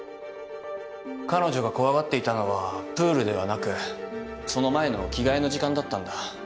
彼女が怖がっていたのはプールではなくその前の着替えの時間だったんだ。